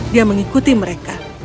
dia mengikuti mereka